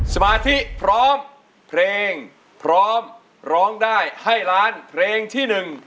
สมาธิพร้อมเพลงพร้อมร้องได้ให้ล้านเพลงที่๑